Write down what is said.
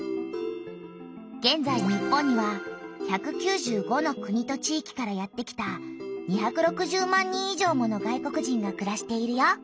げんざい日本には１９５の国と地域からやって来た２６０万人以上もの外国人がくらしているよ。